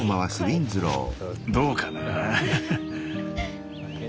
どうかな。